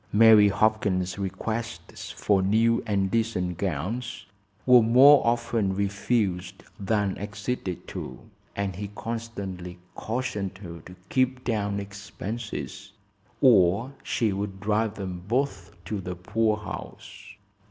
Mary Hopkins's requests for new and decent gowns were more often refused than acceded to, and he constantly cautioned her to keep down expenses or she would drive them both to the poor house.